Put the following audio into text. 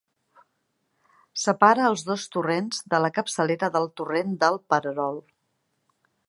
Separa els dos torrents de la capçalera del torrent del Pererol.